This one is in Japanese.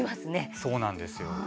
そうなんです。